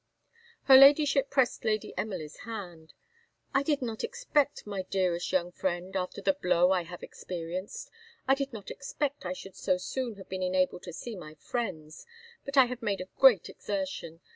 Her Ladyship pressed Lady Emily's hand "I did not expect, my dearest young friend, after the blow I have experienced I did not expect I should so soon have been enabled to see my friends; but I have made a great exertion.